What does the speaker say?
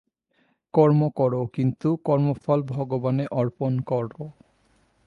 কর্ম কর, কিন্তু কর্মফল ভগবানে অর্পণ কর।